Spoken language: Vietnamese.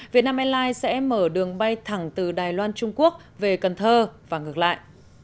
vietnam airlines sẽ mở đường bay thẳng từ đài loan trung quốc về cần thơ và ngược lại